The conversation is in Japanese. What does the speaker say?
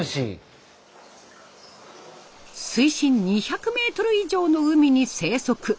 水深２００メートル以上の海に生息。